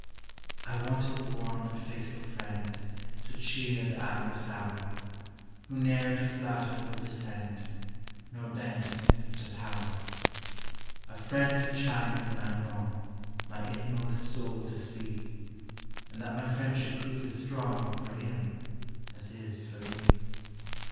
I want a warm and faithful friend, To cheer the adverse hour ; Who ne'er to flatter will descend, Xor bend the knee to power, — A friend to chide me when I 'm wrong, My inmost soul to see ; And that my friendship prove as strong For him as his for me.